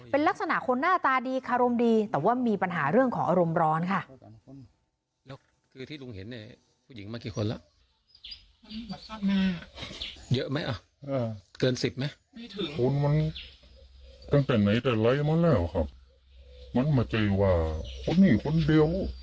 เป็นลักษณะคนหน้าตาดีคารมดีแต่ว่ามีปัญหาเรื่องของอารมณ์ร้อนค่ะ